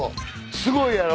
すごいやろ？